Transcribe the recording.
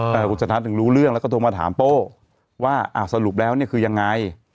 แต่คุณสันทัศน์ถึงรู้เรื่องแล้วก็โทรมาถามโป้ว่าอ่าสรุปแล้วเนี่ยคือยังไง